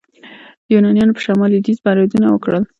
یونانیانو په شمال لویدیځ بریدونه وکړل.